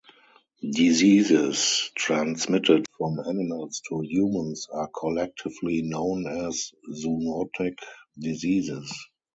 Diseases transmitted from animals to humans are collectively known as zoonotic diseases.